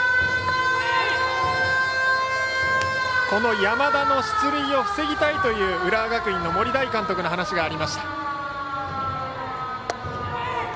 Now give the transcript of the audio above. この山田の出塁を防ぎたいという浦和学院の森大監督の話がありました。